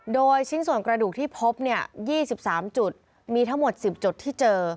โดยชิ้นส่วนกระดูกที่พบ๒๓จุดมีทั้งหมด๑๐จุดที่เจอ